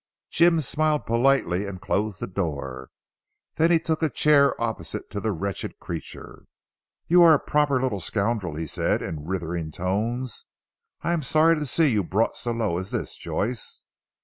Jim smiled politely and closed the door. Then he took a chair opposite to the wretched creature. "You are a proper little scoundrel," he said in withering tones, "I am sorry to see you brought so low as this, Joyce."